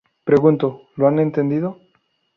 Pregunto: ¿lo han entendido?